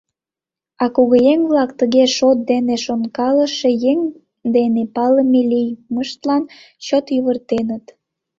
А кугыеҥ-влак тыге шот дене шонкалыше еҥ дене палыме лиймыштлан чот йывыртеныт.